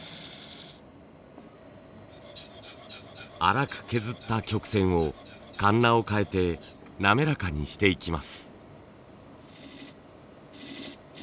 粗く削った曲線をカンナを替えて滑らかにしていきます。